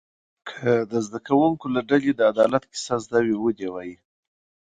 که د زده کوونکو له ډلې د عدالت کیسه زده وي و دې وایي.